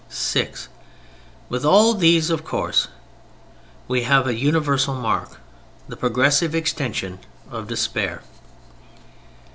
(6) With all these of course we have had a universal mark—the progressive extension of despair.